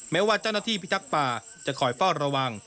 แม้ว่าเจ้าหน้าที่พิทักษ์ป่าจะคอยเฝ้าระวัง